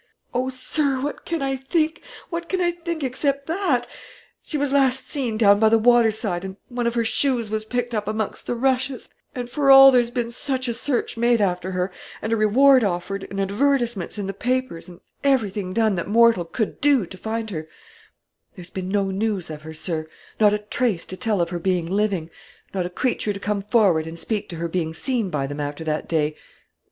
"O sir, what can I think, what can I think except that? She was last seen down by the water side, and one of her shoes was picked up amongst the rushes; and for all there's been such a search made after her, and a reward offered, and advertisements in the papers, and everything done that mortal could do to find her, there's been no news of her, sir, not a trace to tell of her being living; not a creature to come forward and speak to her being seen by them after that day.